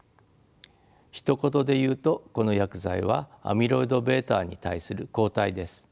ひと言で言うとこの薬剤はアミロイドβに対する抗体です。